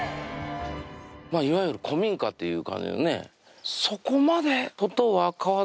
まあいわゆる古民家っていう感じのね。